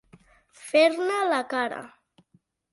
Fer-ne la cara.